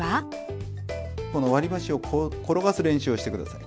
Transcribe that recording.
この割り箸を転がす練習をして下さい。